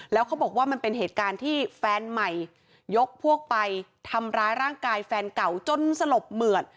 แล้วเขาบอกว่ามันเป็นเหตุการณ์ที่แฟนใหม่ยกพวกไปทำร้ายร่างกายแฟนเก่าจนสลบเหมือด